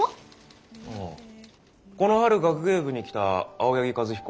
この春学芸部に来た青柳和彦。